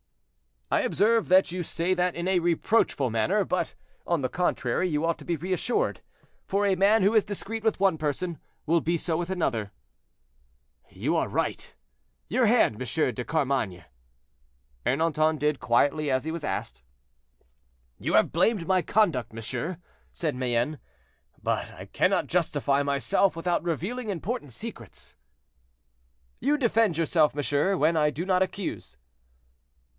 "I observe that you say that in a reproachful manner; but, on the contrary, you ought to be reassured, for a man who is discreet with one person will be so with another." "You are right! your hand, M. de Carmainges." Ernanton did quietly as he was asked. "You have blamed my conduct, monsieur," said Mayenne; "but I cannot justify myself without revealing important secrets." "You defend yourself, monsieur, when I do not accuse."